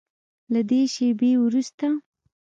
له دې شیبې وروسته